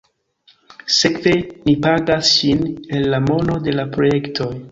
Sekve ni pagas ŝin el la mono de la projektoj.